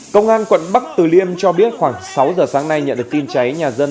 công an quận bắc từ liêm cho biết khoảng sáu giờ sáng nay nhận được tin cháy nhà dân